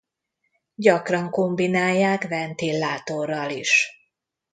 Gyakran kombinálják ventilátorral is.